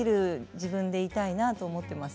自分でいたいなと思ってます。